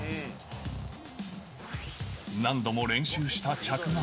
何度も練習した着岸。